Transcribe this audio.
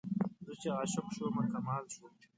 زه چې عشق شومه کمال شوم